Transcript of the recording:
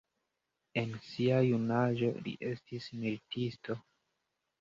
En sia junaĝo li estis militisto.